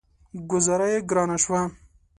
ګوذاره يې ګرانه شوه.